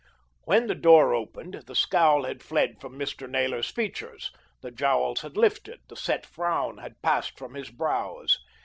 When the door opened, the scowl had fled from Mr. Naylor's features, the jowls had lifted, the set frown had passed from his brows.